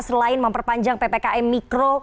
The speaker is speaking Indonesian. selain memperpanjang ppkm mikro